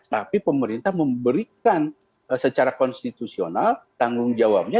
tapi pemerintah memberikan secara konstitusional tanggung jawabnya